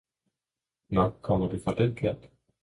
Nå, kommer du fra den kant!